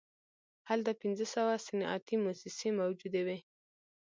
هلته پنځه سوه صنعتي موسسې موجودې وې